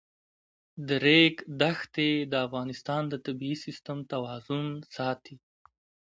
د ریګ دښتې د افغانستان د طبعي سیسټم توازن ساتي.